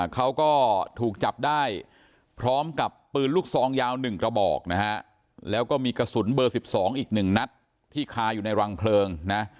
เขาก็ถูกจับได้พร้อมกับปืนลูกซองยาว๑กระบอกนะฮะแล้วก็มีกระสุนเบอร์๑๒อีก๑นัดที่คาอยู่ในรังเพลิงนะ